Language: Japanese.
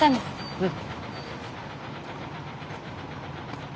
うん。